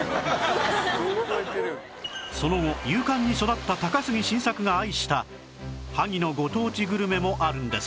その後勇敢に育った高杉晋作が愛した萩のご当地グルメもあるんです